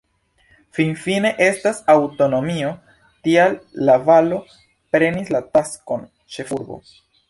Finfine estas aŭtonomio, tial La-Valo prenis la taskon ĉefurbo.